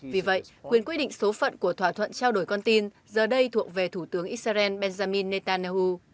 vì vậy quyền quy định số phận của thỏa thuận trao đổi con tin giờ đây thuộc về thủ tướng israel benjamin netanyahu